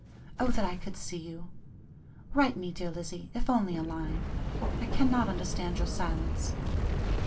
Oh! that I could see you. Write me, dear Lizzie, if only a line; I cannot understand your silence.